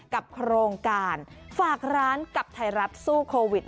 โครงการฝากร้านกับไทยรัฐสู้โควิด